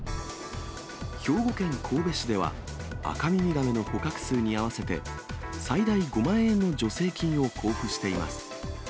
兵庫県神戸市では、アカミミガメの捕獲数に合わせて、最大５万円の助成金を交付しています。